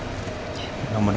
semoga baik baik ya